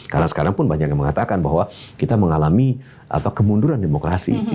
karena sekarang pun banyak yang mengatakan bahwa kita mengalami kemunduran demokrasi